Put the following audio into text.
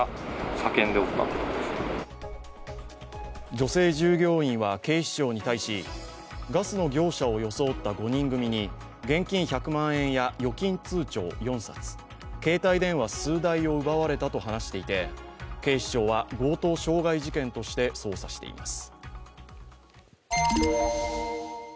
女性従業員は警視庁に対し、ガスの業者を装った５人組に現金１００万円や預金通帳４冊携帯電話数台を奪われたと話していて警視庁は強盗傷害事件として捜査しています。